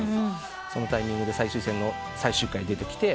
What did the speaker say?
そのタイミングで最終戦の最終回に出てきて。